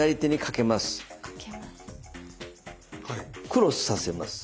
クロスさせます。